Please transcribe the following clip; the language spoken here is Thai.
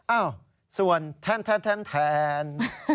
เอ้าส่วนแทนแทน